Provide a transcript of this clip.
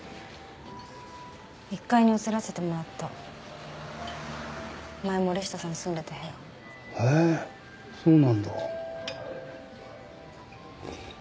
１階に移らせてもらった前森下さんが住んでた部屋へえー高校は？